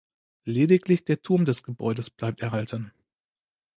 Lediglich der Turm des Gebäudes bleibt erhalten.